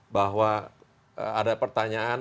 bahwa ada pertanyaan